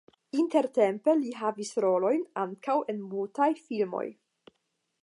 Intertempe li havis rolojn ankaŭ en mutaj filmoj.